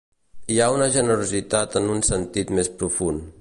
Hi ha una generositat en un sentit més profund